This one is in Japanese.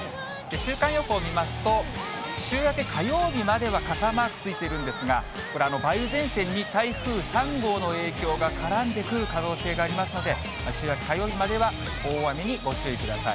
週間予報見ますと、週明け火曜日までは傘マークついてるんですが、これ、梅雨前線に台風３号の影響が絡んでくる可能性がありますので、週明け、火曜日までは大雨にご注意ください。